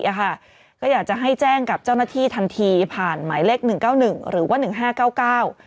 อ่ะค่ะก็อยากจะให้แจ้งกับเจ้าหน้าที่ทันทีผ่านหมายเลขหนึ่งเก้าหนึ่งหรือว่าหนึ่งห้าเก้าเก้า